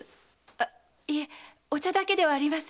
あいえお茶だけではありません。